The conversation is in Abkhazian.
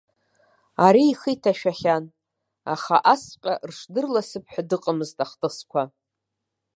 Ари ихы иҭашәахьан, аха асҵәҟьа рыҽдырласп ҳәа дыҟамызт ахҭысқәа.